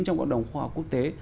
trong cộng đồng khoa học quốc tế